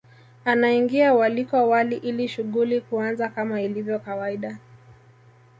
Anaingia waliko wali ili shughuli kuanza kama ilivyo kawaida